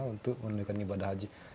untuk mendepki ibadah haji